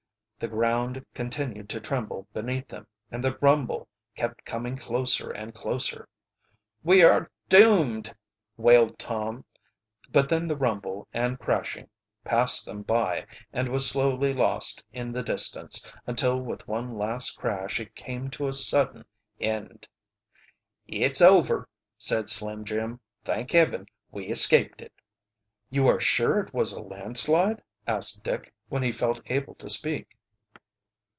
The ground continued to tremble beneath them, and the rumble kept coming closer and closer. "We are doomed!" wailed Tom, but then the rumble and crashing passed them by and was slowly lost in the distance, until with one last crash it came to a sudden end. "It's over!" said Slim Jim. "Thank Heaven, we escaped it!" "You are sure it was a landslide?" asked Dick, when he felt able to speak.